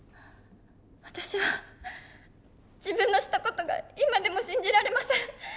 私は自分のした事が今でも信じられません。